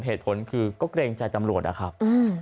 เหตุผลคือก็เกรงใจตำรวจนะครับ